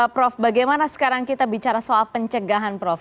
prof bagaimana sekarang kita bicara soal pencegahan prof